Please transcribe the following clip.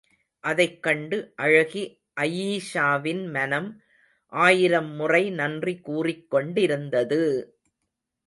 அதைக் கண்டு அழகி அயீஷாவின் மனம் ஆயிரம் முறை நன்றி கூறிக்கொண்டிருந்தது!